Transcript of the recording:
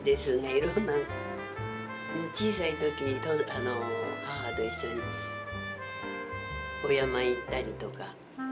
いろんな小さい時母と一緒にお山へ行ったりとか。